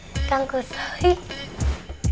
mengapa kamu jadi grogi atuh itik kusoi